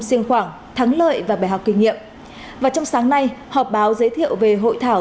siêng khoảng thắng lợi và bài học kinh nghiệm và trong sáng nay họp báo giới thiệu về hội thảo